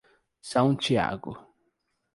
São Tiago